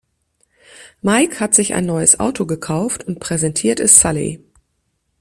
Mike hat sich ein neues Auto gekauft und präsentiert es Sulley.